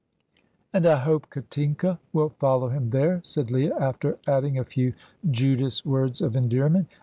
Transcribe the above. "And I hope Katinka will follow him there," said Leah, after adding a few Judas words of endearment.